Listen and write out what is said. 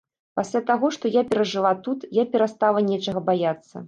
Пасля таго, што я перажыла тут, я перастала нечага баяцца.